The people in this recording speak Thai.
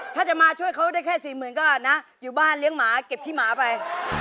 ถ้าจะมาช่วยเขาได้แค่สี่หมื่นก็นะอยู่บ้านเลี้ยงหมาเก็บขี้หมาไป